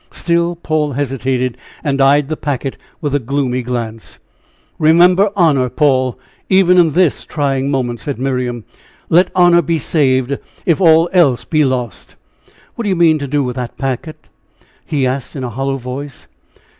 Still Paul hesitated, and eyed the packet with a gloomy glance. "Remember honor, Paul, even in this trying moment," said Miriam; "let honor be saved, if all else be lost." "What do you mean to do with that parcel?" he asked in a hollow voice.